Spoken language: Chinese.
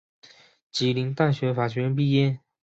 吉林大学法学院毕业。